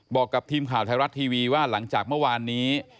บอกกับทีมข่าวไทยรัฐทีวีว่าหลังจากเมื่อวานนี้